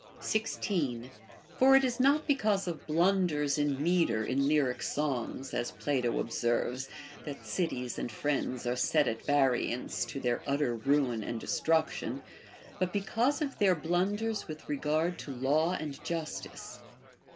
16. For it is not because of blunders in metre in lyric songs, as Plato observes, that cities and friends are set at variance to their utter ruin and destruction, but be cause of their blunders with regard to laAV and justice.